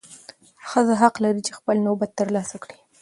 ښځه حق لري چې خپل نوبت ترلاسه کړي.